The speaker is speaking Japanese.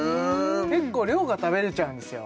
結構量が食べれちゃうんですよ